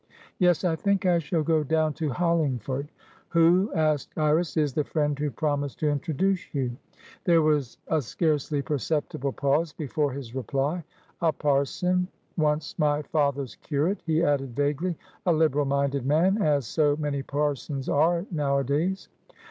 "Yes, I think I shall go down to Hollingford." "Who," asked Iris, "is the friend who promised to introduce you?" There was a scarcely perceptible pause before his reply. "A parsononce my father's curate," he added, vaguely. "A liberal minded man, as so many parsons are nowadays."